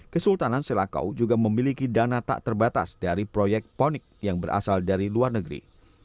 kesultanan selakau juga memiliki dana tak terbatas dari proyek ponik yang berasal dari luar negeri